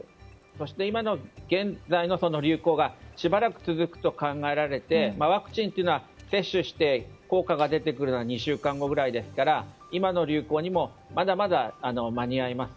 そして、現在の流行がしばらく続くと考えられてワクチンというのは接種して効果が出てくるのは２週間後くらいですから今の流行にもまだまだ間に合います。